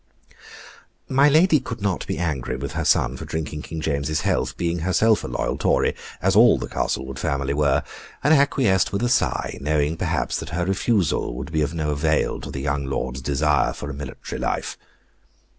My lady could not be angry with her son for drinking King James's health, being herself a loyal Tory, as all the Castlewood family were, and acquiesced with a sigh, knowing, perhaps, that her refusal would be of no avail to the young lord's desire for a military life.